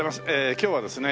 今日はですね